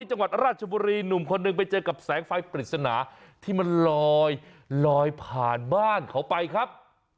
จังหวัดราชบุรีหนุ่มคนหนึ่งไปเจอกับแสงไฟปริศนาที่มันลอยลอยผ่านบ้านเขาไปครับ